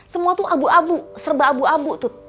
semua tuh abu abu serba abu abu tuh